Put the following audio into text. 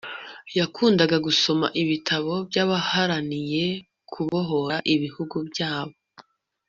yakundaga gusoma ibitabo by'abaharaniye kubohora ibihugu byabo